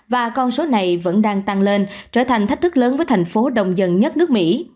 và con số này vẫn đang tăng lên trở thành thách thức lớn với thành phố đông dân nhất nước mỹ